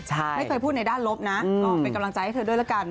ไม่เคยพูดในด้านลบนะเป็นกำลังใจให้เธอด้วยละกัน